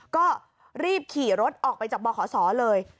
ก็รีบขี่รถออกไปจากบขศเลย